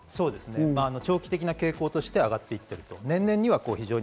長期的な傾向で上がっていっていると。